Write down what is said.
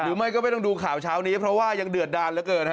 หรือไม่ก็ไม่ต้องดูข่าวเช้านี้เพราะว่ายังเดือดดานเหลือเกินฮะ